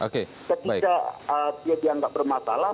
ketika dia tidak bermasalah